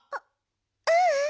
うううん。